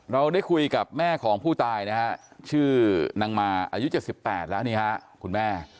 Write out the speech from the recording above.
เราได้คุยกับแม่ของผู้ตายนะฮะชื่อนางมาอายุ๗๘แล้วนี่ฮะคุณแม่